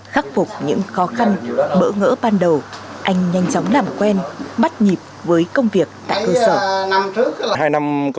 khắc phục những khó khăn bỡ ngỡ ban đầu anh nhanh chóng làm quen bắt nhịp với công việc tại cơ sở